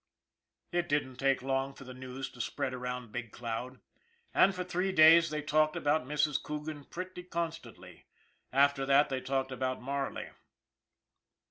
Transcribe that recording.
It didn't take long for the news to spread around Big Cloud, and for three days they talked about Mrs. Coogan pretty constantly after that they talked about Marley.